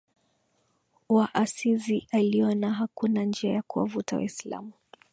wa Asizi aliona hakuna njia ya kuwavuta Waislamu